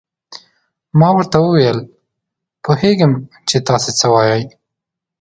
ما ورته وویل: پوهېږم چې تاسو څه وایئ.